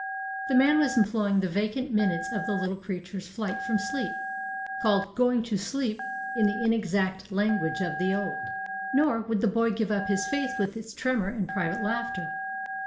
The man was employing the vacant minutes of the little creature's flight from sleep, called "going to sleep" in the inexact language of the old. Nor would the boy give up his faith with its tremor and private laughter.